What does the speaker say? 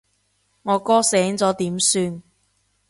我哥醒咗點算？